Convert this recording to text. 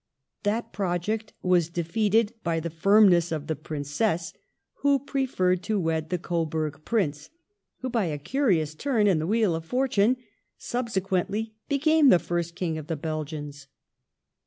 That project was defeated by the firmness of the Princess, who prefen ed to wed the Coburg Prince who — by a curious turn in the wheel of fortune — subsequently became the first King of the Belgians.